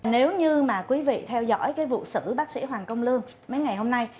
nếu như mà quý vị theo dõi cái vụ sử bác sĩ hoàng công lương mấy ngày hôm nay